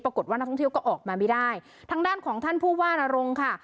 ปรากฏว่านักท่องเที่ยวก็ออกมาไม่ได้ทางด้านของท่านผู้ว่านรงค่ะ